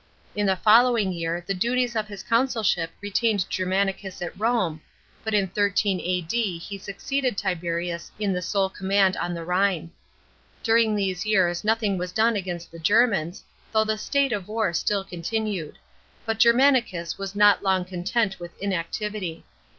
In the following year the duties of his consulship retained Germanicus at Rome, but in 13 A.D. he suc ceeded Tiberius in the sole command on the Rhine. During these years nothing was done against the Germans, though the state of war still continued ; but Germanicus was not long content with inactivity.